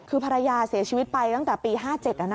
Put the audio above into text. คือภรรยาเสียชีวิตไปตั้งแต่ปี๕๗